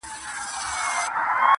• ایله پوه سو په خپل عقل غولیدلی -